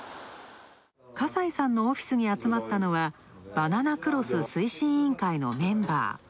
笠井さんのオフィスに集まったのはバナナクロス推進委員会のメンバー。